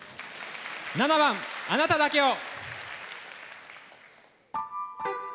７番「あなただけを」。